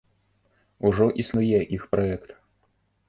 Ужо існуе іх праект.